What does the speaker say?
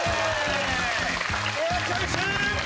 チョイス！